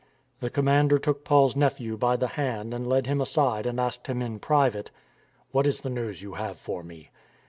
The commander took Paul's nephew by the hand and led him aside and asked him in private, " What is the news you have for me?